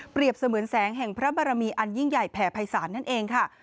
เสมือนแสงแห่งพระบารมีอันยิ่งใหญ่แผ่ภัยศาลนั่นเองค่ะ